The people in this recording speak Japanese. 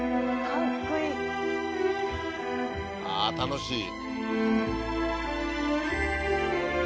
ああ楽しい。